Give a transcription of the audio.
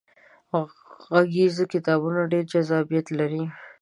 غږیز کتابونه ډیر جذابیت لري.